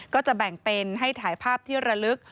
ก็จะแบ่งเป็นให้ถ่ายภาพที่ระลึก